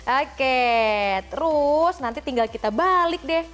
oke terus nanti tinggal kita balik deh